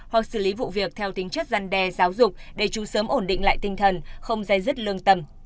hoặc xử lý vụ việc theo tính chất gian đe giáo dục để chú sớm ổn định lại tinh thần không dây dứt lương tâm